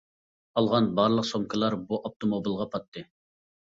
ئالغان بارلىق سومكىلار بۇ ئاپتوموبىلغا پاتتى.